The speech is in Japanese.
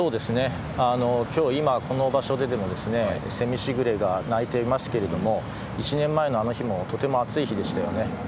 今、この場所ででも蝉しぐれが鳴いていますけども１年前のあの日もとても暑い日でしたよね。